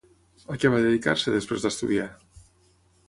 A què va dedicar-se després d'estudiar?